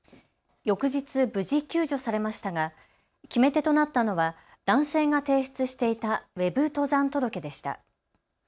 翌日、無事救助されましたが決め手となったのは男性が提出していたＷＥＢ登山届でした。